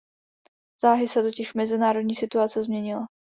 Záhy se totiž mezinárodní situace změnila.